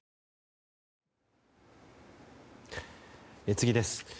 次です。